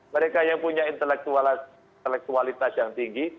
mereka yang punya intelektual intelektualitas yang tinggi